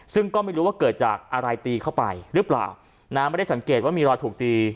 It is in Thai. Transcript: ซึ่งก็ไม่รู้ว่าเกิดจากอะไรตีเข้าไปหรือเปล่านะไม่ได้สังเกตว่ามีรอยถูกตี